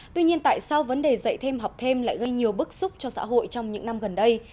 tuy nhiên tại sao vấn đề dạy thêm học thêm lại gây nhiều bức xúc cho xã hội trong những năm gần đây